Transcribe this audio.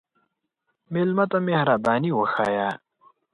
مېلمه ته مهرباني وښیه.